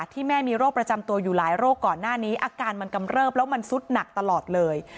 แม่มีโรคประจำตัวอยู่หลายโรคก่อนหน้านี้อาการมันกำเริบแล้วมันซุดหนักตลอดเลย